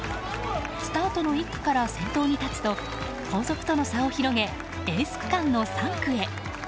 スタートの１区から先頭に立つと後続との差を広げエース区間の３区へ。